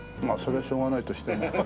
まあそれはしょうがないとして。